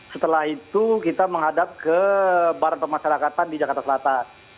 setelah itu kita menghadap ke barang pemasarakatan di jakarta selatan